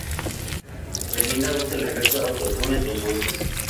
Belinda usa el efecto Auto-Tune en sus voces.